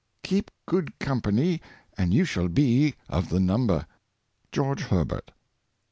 Keep good company, and you shall be of the number.'' — George Her, BERT.